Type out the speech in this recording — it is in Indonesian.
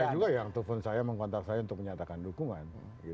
tapi banyak juga yang telepon saya menghantar saya untuk menyatakan dukungan